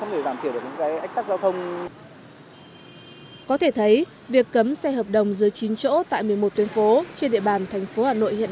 vẫn không thể giảm thiểu được những cái ách tắc giao thông